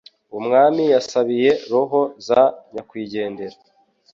Umwami yasabiye roho za nyakwigendera.